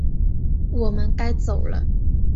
我们该走了